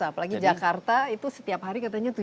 apalagi jakarta itu setiap hari katanya tujuh